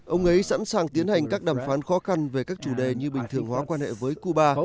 ông ấy sẵn sàng tiến hành các đàm phán khó khăn về các chủ đề như bình thường hóa quan hệ với cuba